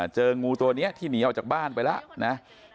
เจองูตัวนี้ที่หนีออกจากบ้านไปแล้วนะ